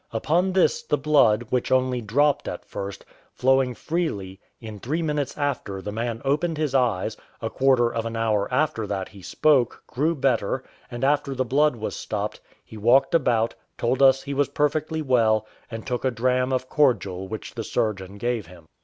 Upon this the blood, which only dropped at first, flowing freely, in three minutes after the man opened his eyes; a quarter of an hour after that he spoke, grew better, and after the blood was stopped, he walked about, told us he was perfectly well, and took a dram of cordial which the surgeon gave him.